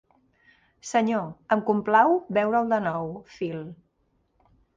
Senyor, em complau veure'l de nou, Phil.